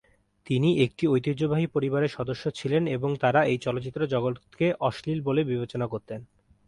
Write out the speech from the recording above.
তিনি একটি ঐতিহ্যবাহী পরিবারের সদস্য ছিলেন এবং তাঁরা এই চলচ্চিত্র জগতকে অশ্লীল বলে বিবেচনা করতেন।